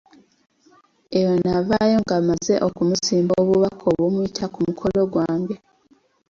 Eyo navaayo nga mmaze okumusimba obubaka obumuyita ku mukolo gwange.